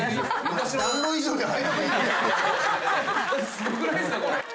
すごくないですかこれ。